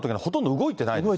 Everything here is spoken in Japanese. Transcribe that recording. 動いてない。